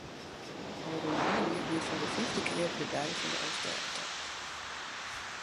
Ofrûne moandei wie it foar de fiifde kear de ‘Dei fan de Alvestêdetocht’.